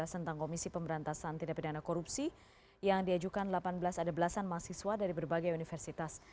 tentang komisi pemberantasan tidak pidana korupsi yang diajukan delapan belas ada belasan mahasiswa dari berbagai universitas